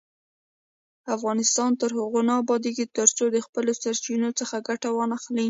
افغانستان تر هغو نه ابادیږي، ترڅو د خپلو سرچینو څخه ګټه وانخلو.